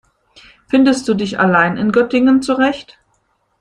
Findest du dich allein in Göttingen zurecht?